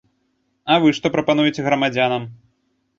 А вы што прапануеце грамадзянам?